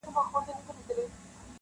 ورځ په خلوت کي تېروي چي تیاره وغوړېږي-